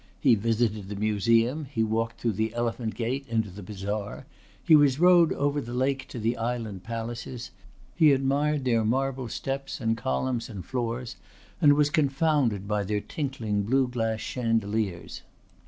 He visited the Museum, he walked through the Elephant Gate into the bazaar, he was rowed over the lake to the island palaces; he admired their marble steps and columns and floors and was confounded by their tinkling blue glass chandeliers.